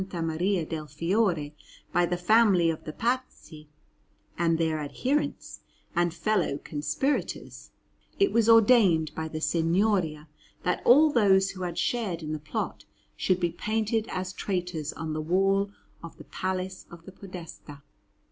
Maria del Fiore by the family of the Pazzi and their adherents and fellow conspirators, it was ordained by the Signoria that all those who had shared in the plot should be painted as traitors on the wall of the Palace of the Podestà.